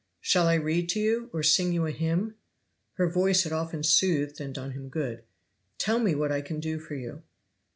Shall I read to you, or sing you a hymn?" Her voice had often soothed and done him good. "Tell me what I can do for you!"